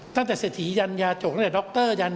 ตั้งแต่เสถียร์ยันยาโจทย์ตั้งแต่ดร็อคเตอร์ยัน